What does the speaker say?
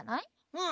うん。